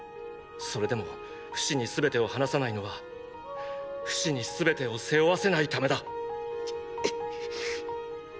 それでもフシに全てを話さないのはフシに全てを背負わせないためだ。っ！